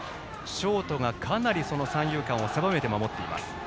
ショートがかなり三遊間を狭めて守っています。